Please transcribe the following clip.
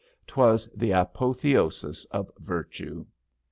'Twas the apo theosis of virtue.